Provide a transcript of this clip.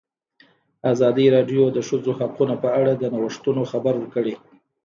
ازادي راډیو د د ښځو حقونه په اړه د نوښتونو خبر ورکړی.